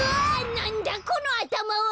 なんだこのあたまは！？